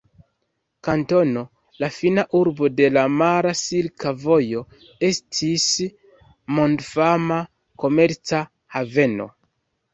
Kantono, la fina urbo de la mara Silka Vojo, estis mondfama komerca haveno.